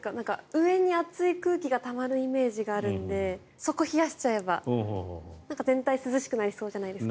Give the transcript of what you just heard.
上に暑い空気がたまるイメージがあるのでそこを冷やしちゃえば全体涼しくなりそうじゃないですか。